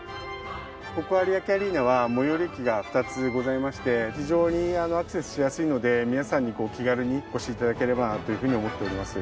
ここ有明アリーナは最寄り駅が２つございまして非常にアクセスしやすいので皆さんに気軽にお越し頂ければなというふうに思っております。